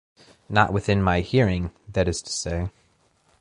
Not within my hearing, that is to say.